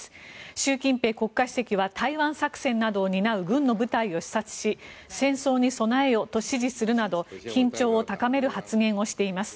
習近平国家主席は台湾作戦などを担う軍の部隊を視察し戦争に備えよと指示するなど緊張を高める発言をしています。